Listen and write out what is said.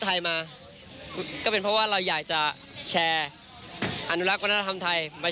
ไทยมาก็เป็นเพราะว่าเราอยากจะแชร์อนุรักษ์วัฒนธรรมไทย